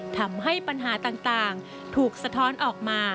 ทำให้ปัญหาต่างถูกสะท้อนออกมา